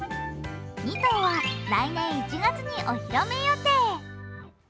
２頭は来年１月にお披露目予定。